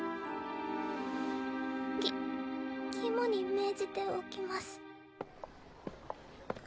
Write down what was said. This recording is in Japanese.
き肝に銘じておきます。